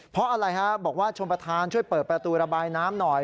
เพราะอะไรฮะบอกว่าชมประธานช่วยเปิดประตูระบายน้ำหน่อย